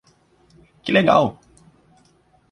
Que legal!